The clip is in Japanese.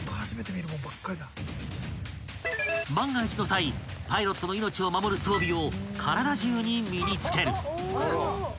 ［万が一の際パイロットの命を守る装備を体中に身に着ける］